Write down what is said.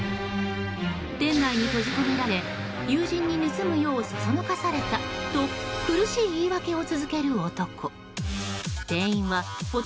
店内に閉じ込められ友人に盗むようそそのかされたと苦しい言い訳を続ける男。